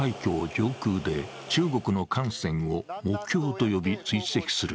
上空で中国の艦船を目標と呼び追跡する